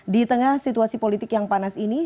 di tengah situasi politik yang panas ini